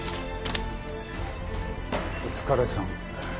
お疲れさん。